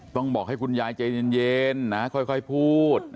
ต้องบอกให้คุณยายใจเย็นนะค่อยพูด